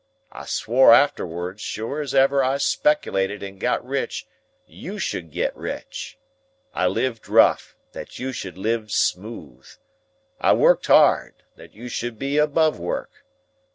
I swore arterwards, sure as ever I spec'lated and got rich, you should get rich. I lived rough, that you should live smooth; I worked hard, that you should be above work.